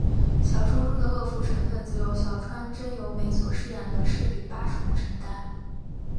小说中的恶妇成份则由小川真由美所饰演的侍女八重承担。